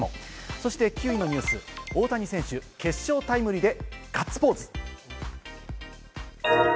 そして９位のニュース、大谷選手、決勝タイムリーでガッツポーズ。